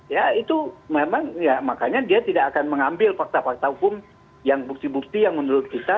ya itu memang ya makanya dia tidak akan mengambil fakta fakta hukum yang bukti bukti yang menurut kita